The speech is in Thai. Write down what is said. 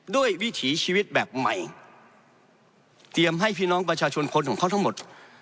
วิถีชีวิตแบบใหม่เตรียมให้พี่น้องประชาชนคนของเขาทั้งหมด